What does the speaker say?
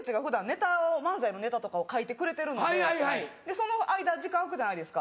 その間時間空くじゃないですか。